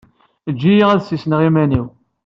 Eǧǧ-iyi ad d-ssisneɣ iman-iw.